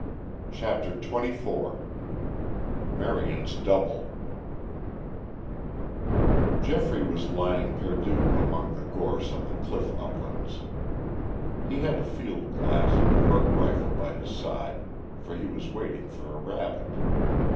CHAPTER XXIV MARION'S DOUBLE Geoffrey was lying perdu among the gorse on the cliff uplands. He had a field glass and a rook rifle by his side, for he was waiting for a rabbit.